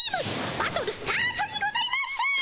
バトルスタートにございます！